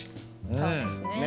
そうですね。